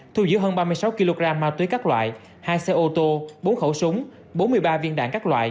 thu giữ hơn ba mươi sáu kg ma túy các loại hai xe ô tô bốn khẩu súng bốn mươi ba viên đạn các loại